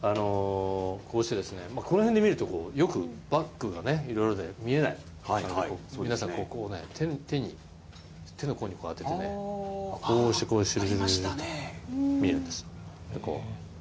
こうしてですね、この辺で見ると、よくバックがね、いろいろで見えないので、皆さん、こうね、手に、手の甲にこう当ててね、こうしてこうして、見えるんです。